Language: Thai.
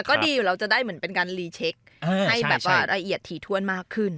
แต่ก็ดีเราจะได้เหมือนเป็นการรีเช็คให้รายละเอียดถี่ถ้วนมากขึ้น